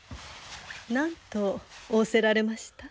何と仰せられました？